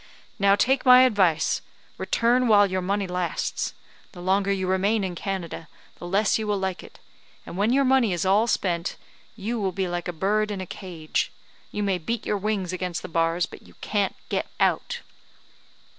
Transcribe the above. Now, take my advice: return while your money lasts; the longer you remain in Canada the less you will like it; and when your money is all spent, you will be like a bird in a cage; you may beat your wings against the bars, but you can't get out."